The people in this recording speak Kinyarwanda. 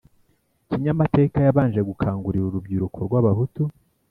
kinyamateka yabanje gukangurira urubyiruko rw’abahutu